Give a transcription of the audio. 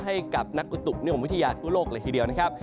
ให้กับนักกุฎุเงินอมวิทยาศาสตร์ทั่วโลกเลยทีเดียวนะครับ